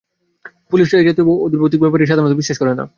পুলিশরা এজাতীয় আধিভৌতিক ব্যাপার সাধারণত বিশ্বাস করে না।